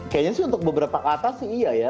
kayaknya sih untuk beberapa kata sih iya ya